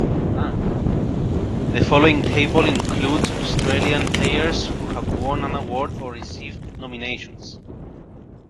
The following table includes Australian players who have won an award or received nominations.